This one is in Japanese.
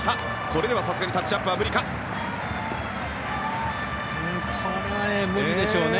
これではさすがにタッチアップは無理か。